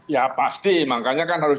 ya pasti makanya kan harus